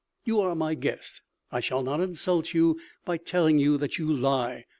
You are my guest; I shall not insult you by telling you that you lie.